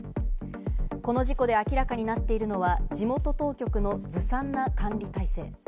この事故で明らかになっているのは地元当局のずさんな管理態勢。